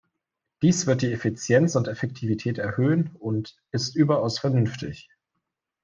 Dies wird die Effizienz und Effektivität erhöhen und „ist überaus vernünftig“.